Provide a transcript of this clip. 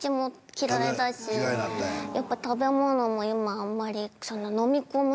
やっぱ食べ物も今あんまり。